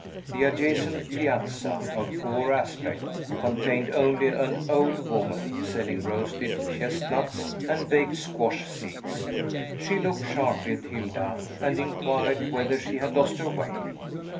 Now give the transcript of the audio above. The adjacent piazza, of poor aspect, contained only an old woman selling roasted chestnuts and baked squash seeds; she looked sharply at Hilda, and inquired whether she had lost her way.